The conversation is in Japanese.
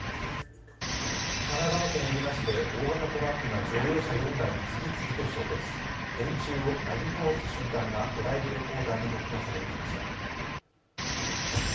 神奈川県海老名市で大型トラックが乗用車４台に次々と衝突、電柱をなぎ倒す瞬間がドライブレコーダーに録画されていました。